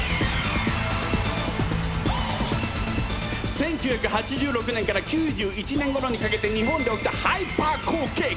１９８６年から９１年ごろにかけて日本で起きたハイパー好景気。